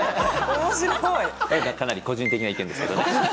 面白いかなり個人的な意見ですけどね